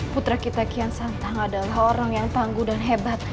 putra kita kian santang adalah orang yang tangguh dan hebat